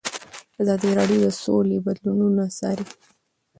ازادي راډیو د سوله بدلونونه څارلي.